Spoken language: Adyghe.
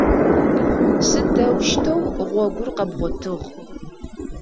Сыдэущтэу гъогур къэбгъотыгъ?